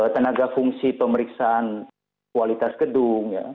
tenaga fungsi pemeriksaan kualitas gedung ya